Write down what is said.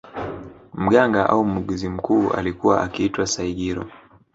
Mganga au muuguzi mkuu alikuwa akiitwa Saigiro